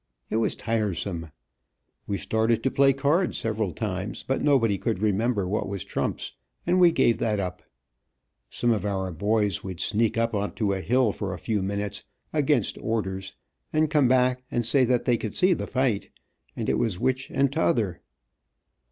It was tiresome. We started to play cards several times, but nobody could remember what was trumps, and we gave that up. Some of our boys would sneak up on to a hill for a few minutes, against orders, and come back and say that they could see the fight, and it was which and tother.